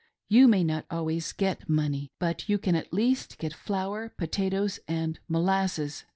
You may not always get money, but you can at least get flour, potatoes, and molasses.